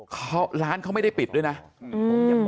เขาร้านเขาไม่ได้ปิดด้วยนะ